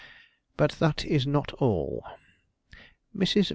But that is not all. Mrs.